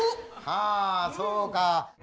あそうか。